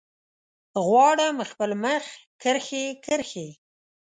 غواړم خپل مخ کرښې، کرښې